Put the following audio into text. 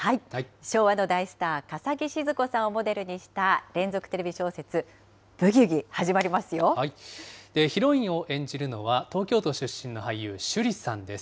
昭和の大スター、笠置シヅ子さんをモデルにした連続テレビ小ヒロインを演じるのは、東京都出身の俳優、趣里さんです。